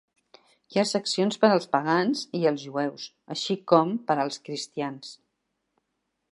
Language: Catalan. Hi ha seccions per als pagans i els jueus, així com per als cristians.